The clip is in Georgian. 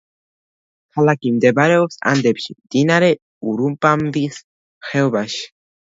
ქალაქი მდებარეობს ანდებში, მდინარე ურუბამბის ხეობაში.